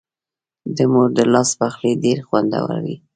د مور د لاس پخلی ډېر خوندور وي.